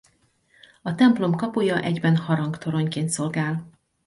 A templom kapuja egyben harangtoronyként szolgál.